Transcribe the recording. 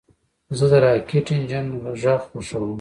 زه د راکټ انجن غږ خوښوم.